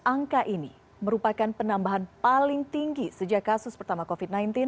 angka ini merupakan penambahan paling tinggi sejak kasus pertama covid sembilan belas